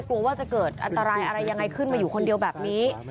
กลัวว่าจะเกิดอันตรายอะไรยังไงขึ้นมาอยู่คนเดียวแบบนี้